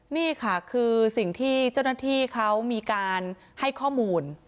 นี่ค่ะคือสิ่งที่เจ้าหน้าที่เขามีการให้ข้อมูล